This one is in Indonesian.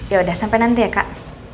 ya udah sampai nanti ya kak